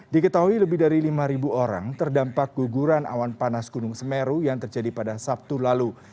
diketahui lebih dari lima orang terdampak guguran awan panas gunung semeru yang terjadi pada sabtu lalu